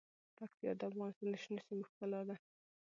پکتیا د افغانستان د شنو سیمو ښکلا ده.